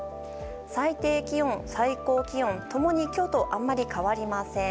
最低気温、最高気温共に今日とあんまり変わりません。